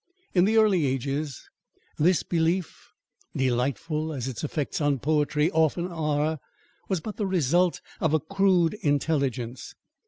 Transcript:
In the early ages, this belief, delightful as its effects on poetry often are, was but the result of a crude intelligence.